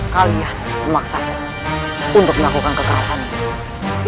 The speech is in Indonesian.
kalian memaksa untuk melakukan kekerasan ini